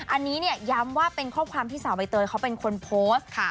อันนี้เนี่ยย้ำว่าเป็นข้อความที่สาวใบเตยเขาเป็นคนโพสต์